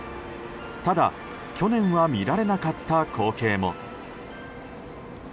ただ去年は見られなかった光景も。